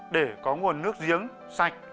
để có nguồn nước giếng sạch